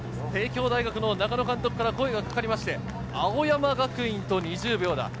帝京大学の中野監督から声がかかりまして、青山学院と２０秒だ。